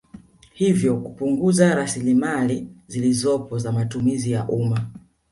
Hivyo hupunguza raslimali zilizopo za matumizi ya umma